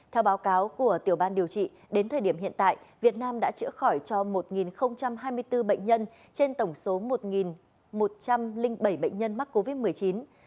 theo báo cáo của tiểu ban điều trị đến thời điểm hiện tại việt nam đã chữa khỏi cho một hai mươi bốn bệnh nhân trên tổng số một một trăm linh bảy bệnh nhân mắc covid một mươi chín